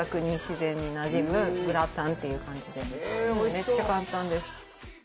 「めっちゃ簡単です」